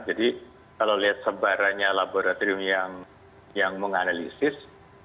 jadi kalau lihat sebaranya laboratorium yang menganalisis